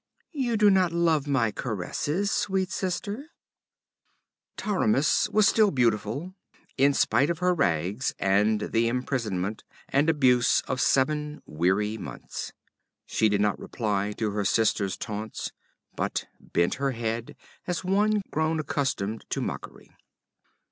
'You do not love my caresses, sweet sister?' Taramis was still beautiful, in spite of her rags and the imprisonment and abuse of seven weary months. She did not reply to her sister's taunts, but bent her head as one grown accustomed to mockery.